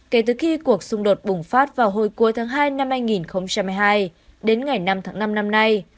kể từ khi cuộc xung đột bùng phát vào hồi cuối tháng hai năm hai nghìn hai mươi hai đến ngày năm tháng năm năm nay